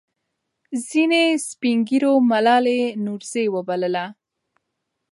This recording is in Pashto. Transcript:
ځینې سپین ږیرو ملالۍ نورزۍ وبلله.